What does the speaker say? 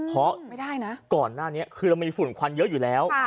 เพราะก่อนหน้านี้คือมันมีฝุ่นควันเยอะอยู่แล้ว